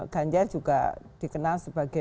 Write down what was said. ganjar juga dikenal sebagai